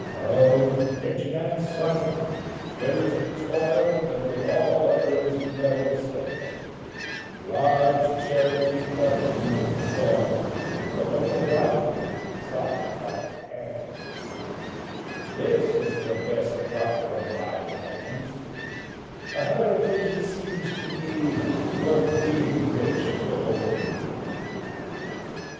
Oh! rich man's son, there is a toil That with all others level stands; Large charity doth never soil, But only whitens, soft white hands; This is the best crop from thy lands; A heritage, it seems to me, Worth being rich to hold in fee.